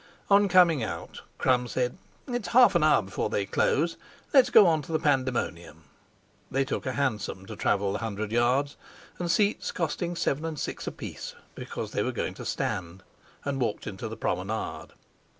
On coming out Crum said: "It's half an hour before they close; let's go on to the Pandemonium." They took a hansom to travel the hundred yards, and seats costing seven and six apiece because they were going to stand, and walked into the Promenade.